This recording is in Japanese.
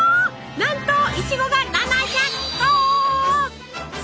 なんといちごが７００個！